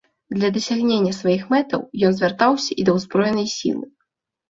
Для дасягнення сваіх мэтаў ён звяртаўся і да ўзброенай сілы.